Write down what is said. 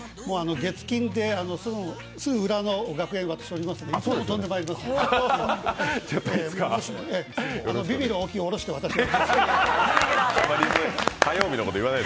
月金ですぐ裏の楽屋におりますのでいつでも飛んでまいりますので。